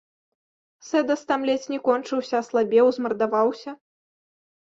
Сэдас там ледзь не кончыўся, аслабеў, змардаваўся.